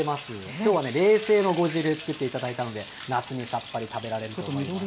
きょうは冷製の呉汁を作っていただいたので、夏にさっぱり食べられると思います。